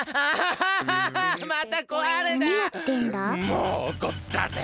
もうおこったぜ！